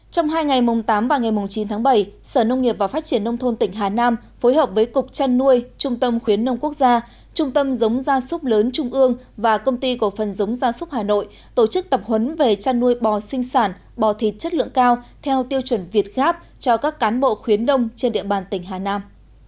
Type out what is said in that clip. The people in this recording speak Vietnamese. trong hai ngày mùng tám và ngày mùng chín tháng bảy sở nông nghiệp và phát triển nông thôn tỉnh hà nam phối hợp với cục trăn nuôi trung tâm khuyến nông quốc gia trung tâm giống gia súc lớn trung ương và công ty cổ phần giống gia súc hà nội tổ chức tập huấn về chăn nuôi bò sinh sản bò thịt chất lượng cao theo tiêu chuẩn việt gáp cho các cán bộ khuyến nông trên địa bàn tỉnh hà nam